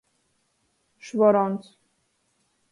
Švorons.